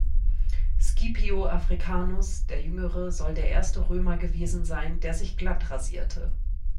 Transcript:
Scipio Africanus der Jüngere soll der erste Römer gewesen sein, der sich glatt rasierte.